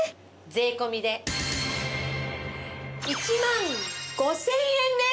税込で１万５０００円です！